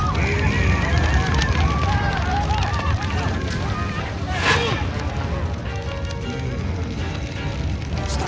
kau akan menang